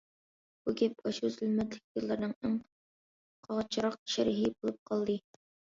بۇ گەپ ئاشۇ زۇلمەتلىك يىللارنىڭ ئەڭ قاغجىراق شەرھى بولۇپ قالدى.